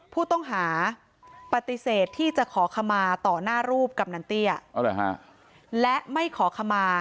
ผู้ต้องหาปฏิเสธที่จะขอขมาต่อหน้ารูปกำนันเตี้ยและไม่ขอขมา